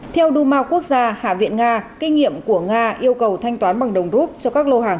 theo duma quốc gia hạ viện nga kinh nghiệm của nga yêu cầu thanh toán bằng đồng rút cho các lô hàng